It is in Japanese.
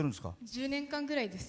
１０年間ぐらいです。